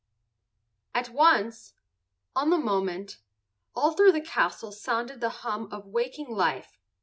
At once—on the moment—all through the castle sounded the hum of waking life.